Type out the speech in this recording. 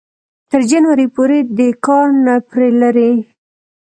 تر جنوري پورې دې کار نه پرې لري